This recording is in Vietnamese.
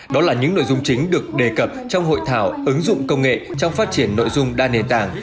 đó là những nội dung chính được đề cập trong hội thảo ứng dụng công nghệ trong phát triển nội dung đa nền tảng